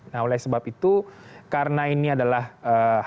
nah oleh sebab itu karena ini adalah hal yang sangat penting